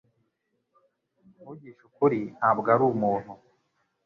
Kuvugisha ukuri, ntabwo ari umuntu.